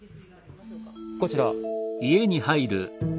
こちら。